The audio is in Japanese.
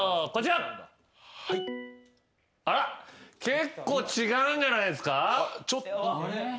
結構違うんじゃないですか？